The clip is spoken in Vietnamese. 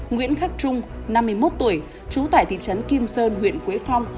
nguyễn khắc trung năm mươi một tuổi trú tại thị trấn kim sơn huyện quế phong